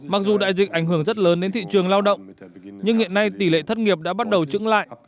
mặc dù đại dịch ảnh hưởng rất lớn đến thị trường lao động nhưng hiện nay tỷ lệ thất nghiệp đã bắt đầu trứng lại